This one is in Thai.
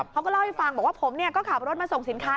เขาก็เล่าให้ฟังบอกว่าผมก็ขับรถมาส่งสินค้า